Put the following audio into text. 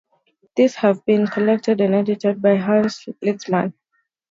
These have been collected and edited by Hans Lietzmann.